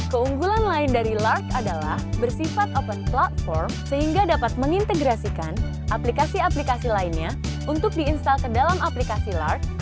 keunggulan lain dari lark adalah bersifat open platform sehingga dapat mengintegrasikan aplikasi aplikasi lainnya untuk diinstal ke dalam aplikasi lark